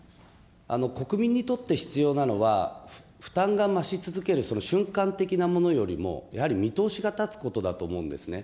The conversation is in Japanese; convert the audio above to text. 国民にとって必要なのは、負担が増し続けるその瞬間的なものよりも、やはり見通しが立つことだと思うんですね。